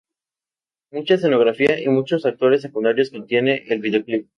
Mucha escenografía y muchos actores secundarios contiene el video clip.